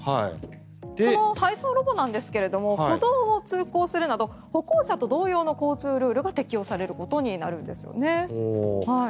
配送ロボなんですが歩道を通行するなど歩行者と同様の交通ルールが適用されることになるんですよね。